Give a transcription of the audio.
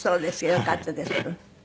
よかったです。